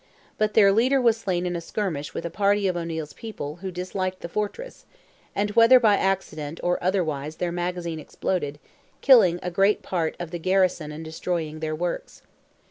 But their leader was slain in a skirmish with a party of O'Neil's people who disliked the fortress, and whether by accident or otherwise their magazine exploded, killing a great part of the garrison and destroying their works.